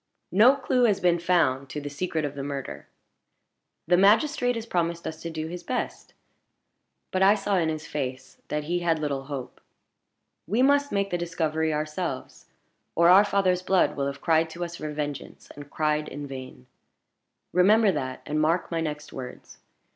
"No clue has been found to the secret of the murder. The magistrate has promised us to do his best; but I saw in his face that he had little hope. We must make the discovery ourselves, or our father's blood will have cried to us for vengeance, and cried in vain. Remember that, and mark my next words.